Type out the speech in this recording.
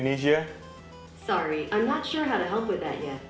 resep masakan di dapur